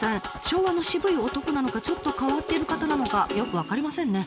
昭和の渋い男なのかちょっと変わっている方なのかよく分かりませんね。